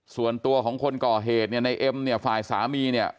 ส่วนตัวของคนก่อเหตุเนี่ยในเอ็มเนี่ยฝ่ายสามีเนี่ย